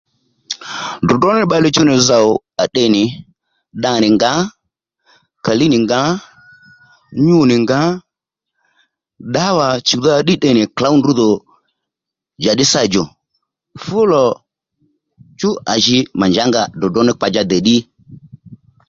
Dròdrró ní bbalè chuw nì zòw tde nì dda nì ngǎ kàlíy nì ngǎ nyû nì ngǎ ddǎwà chùwdha ddí tde nì klǒw ndrǔ dhò njàddí sâ djò fú lò chú à ji mà njǎ nga dròdró ní kpa-djá dè ddí